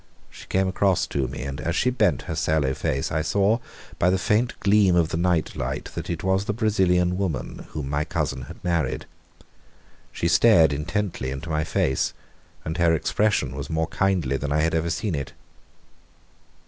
She came across to me, and as she bent her sallow face I saw by the faint gleam of the night light that it was the Brazilian woman whom my cousin had married. She stared intently into my face, and her expression was more kindly than I had ever seen it.